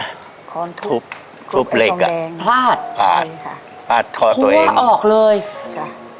ค้อนทุบทุบเล็กอะพลาดพลาดพลาดค้อตัวเองทั่วออกเลยใช่